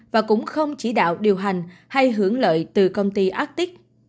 và cũng không chỉ đạo điều hành hay hưởng lợi từ công ty astic